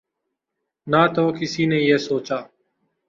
نہ تو کسی نے یہ سوچا